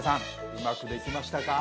うまくできましたか？